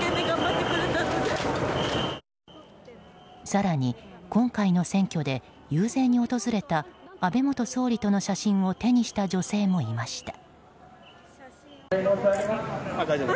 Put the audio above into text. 更に今回の選挙で遊説に訪れた安倍元総理との写真を手にした女性もいました。